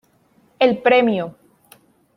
El premio".